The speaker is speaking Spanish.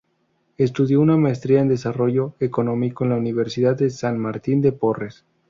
Estudió una maestría en Desarrollo Económico en la Universidad de San Martín de Porres.